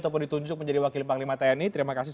ataupun ditunjuk menjadi wakil panglima tni terima kasih